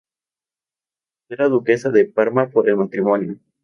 Era duquesa de Parma por el matrimonio.